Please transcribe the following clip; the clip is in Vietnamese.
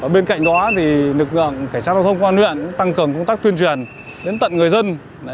bên cạnh đó lực lượng cảnh sát giao thông công an huyện tăng cường công tác tuyên truyền đến tận người dân